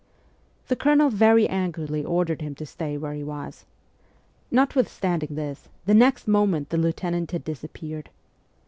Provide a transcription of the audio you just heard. The Colonel very angrily ordered him to stay where he was. Notwithstanding this, the next moment the Lieutenant had disappeared.